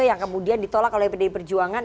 yang kemudian ditolak oleh pdi perjuangan